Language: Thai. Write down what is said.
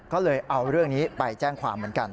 ก็เลยเอาเรื่องนี้ไปแจ้งความเหมือนกัน